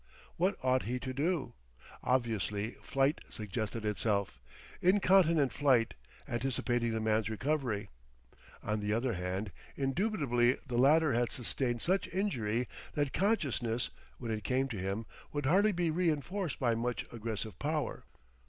What ought he to do? Obviously flight suggested itself, incontinent flight, anticipating the man's recovery. On the other hand, indubitably the latter had sustained such injury that consciousness, when it came to him, would hardly be reinforced by much aggressive power.